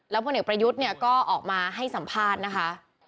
แล้วพ่อเหน็กประยุทธก็ออกมาให้สัมภาษณ์นะคะ